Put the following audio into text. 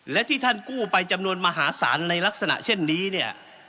และที่ท่านกู้ไปจำนวนมหาศาลในลักษณะเช่นนี้เนี่ย